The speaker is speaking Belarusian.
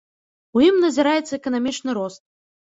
У ім назіраецца эканамічны рост.